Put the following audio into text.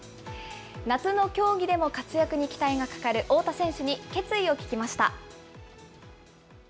夏の競技でも活躍に期待がかかる太田選手に、決意を聞きました。